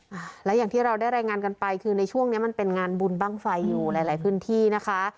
อ่าแล้วอย่างที่เราได้รายงานกันไปคือในช่วงเนี้ยมันเป็นงานบุญบ้างไฟอยู่หลายหลายพื้นที่นะคะ